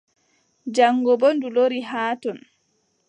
Jaŋgo boo ndu lori haa ton.